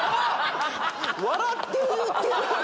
笑って言ってる！